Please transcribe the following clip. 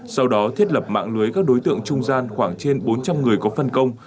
sau đó thiết lập mạng lưới các đối tượng trung gian khoảng trên bốn trăm linh người có phân công